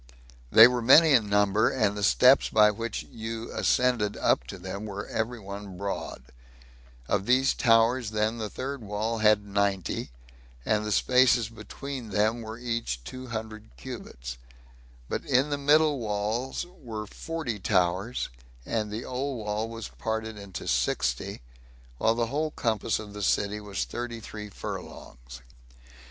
They were many in number, and the steps by which you ascended up to them were every one broad: of these towers then the third wall had ninety, and the spaces between them were each two hundred cubits; but in the middle wall were forty towers, and the old wall was parted into sixty, while the whole compass of the city was thirty three furlongs.